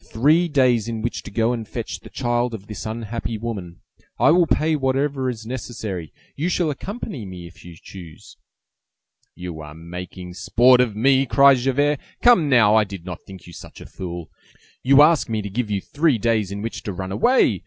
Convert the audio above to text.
three days in which to go and fetch the child of this unhappy woman. I will pay whatever is necessary. You shall accompany me if you choose." "You are making sport of me!" cried Javert. "Come now, I did not think you such a fool! You ask me to give you three days in which to run away!